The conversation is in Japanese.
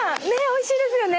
おいしいですね。